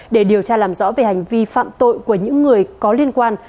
để điều tra làm rõ về hành vi phạm tội của những người có liên quan